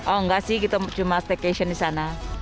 oh enggak sih kita cuma staycation di sana